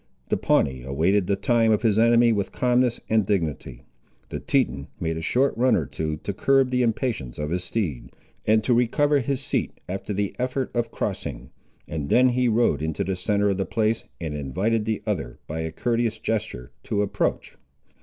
The Pawnee awaited the time of his enemy with calmness and dignity. The Teton made a short run or two, to curb the impatience of his steed, and to recover his seat after the effort of crossing, and then he rode into the centre of the place, and invited the other, by a courteous gesture, to approach.